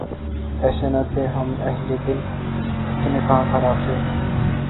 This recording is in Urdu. ایسے نہ تھے ہم اہلِ دل ، اتنے کہاں خراب تھے